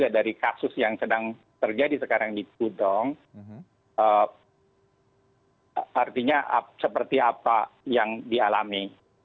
dari kasus yang sedang terjadi sekarang di pudong artinya seperti apa yang dialami